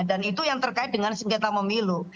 dan itu yang terkait dengan singkir tamu milu